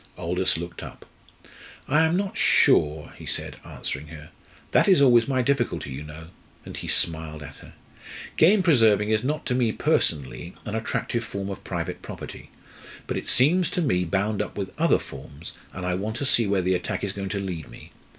Aldous looked up. "I am not sure," he said, answering her. "That is always my difficulty, you know," and he smiled at her. "Game preserving is not to me personally an attractive form of private property, but it seems to me bound up with other forms, and I want to see where the attack is going to lead me.